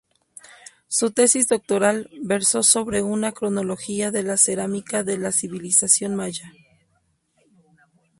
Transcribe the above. Su tesis doctoral versó sobre una cronología de la cerámica de la civilización maya.